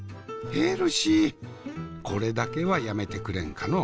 これだけはやめてくれんかの？